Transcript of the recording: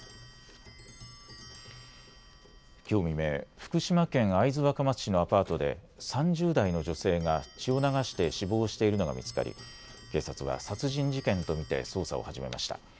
きょう未明、福島県会津若松市のアパートで３０代の女性が血を流して死亡しているのが見つかり警察は殺人事件と見て捜査を始めました。